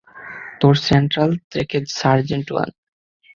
তেরো, সেন্ট্রাল থেকে sergeant one.